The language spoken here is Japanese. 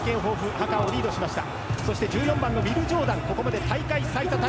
ハカをリードしました。